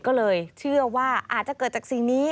ก็เลยเชื่อว่าอาจจะเกิดจากสิ่งนี้